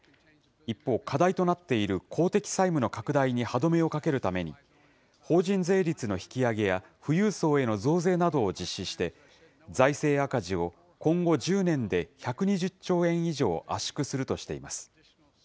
一方、課題となっている公的債務の拡大に歯止めをかけるために、法人税率の引き上げや、富裕層への増税などを実施して、財政赤字を今後１０年で１２０兆円以上圧縮するとしています。